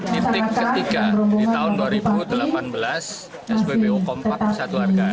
titik ketiga di tahun dua ribu delapan belas spbu kompak satu harga